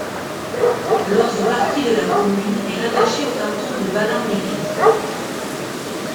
L'autre partie de la commune est rattachée au canton de Ballan-Miré.